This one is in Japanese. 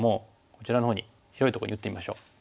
こちらのほうに広いとこに打ってみましょう。